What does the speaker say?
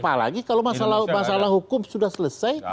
apalagi kalau masalah hukum sudah selesai